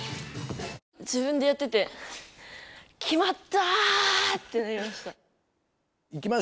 自分でやってて「きまった！」ってなりました。